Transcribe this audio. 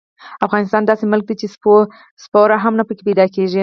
افغانستان داسې ملک دې چې سپوره هم نه پکې پیدا کېږي.